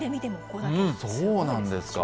そうなんですか。